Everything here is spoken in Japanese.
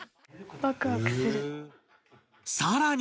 さらに